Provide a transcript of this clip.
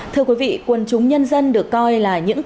thưa quý vị quân chúng nhân dân được coi là những